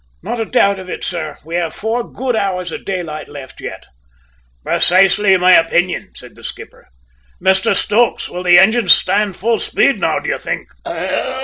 "Not a doubt of it, sir. We have four good hours of daylight left yet!" "Precisely my opinion," cried the skipper. "Mr Stokes, will the engines stand full speed now, do you think?"